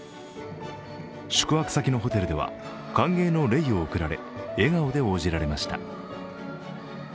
宿泊先のホテルでは歓迎のレイを贈られ笑顔で応じられました。